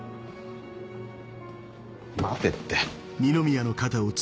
待てって。